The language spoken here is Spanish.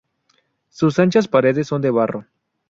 Sus anchas paredes son de barro.